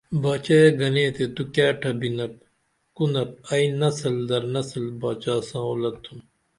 باچائے گنے تے تو کیہ ٹبینپ کُنپ ائی نسل در نسل باچا ساں اولد تُھوم